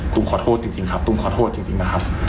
ขอโทษจริงครับตุ้มขอโทษจริงนะครับ